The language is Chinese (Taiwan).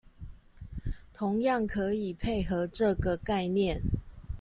同樣可以配合這個概念